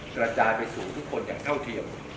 กระจายไปสู่ทุกคนอย่างเท่าเทียม